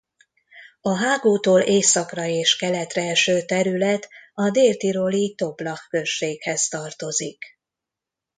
A hágótól északra és keletre eső terület a dél-tiroli Toblach községhez tartozik.